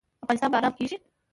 افغانستان به ارام کیږي؟